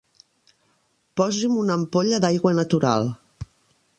Posi'm una ampolla d'aigua natural.